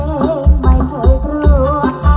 ไม่เคยเกรงไม่เคยกลัว